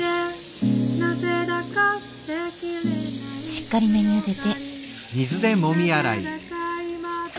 しっかりめにゆでて。